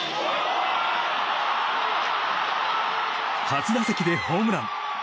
初打席でホームラン。